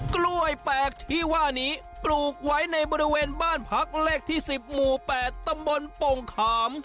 กล้วยแปลกที่ว่านี้ปลูกไว้ในบริเวณบ้านพักเลขที่๑๐หมู่๘ตำบลโป่งขาม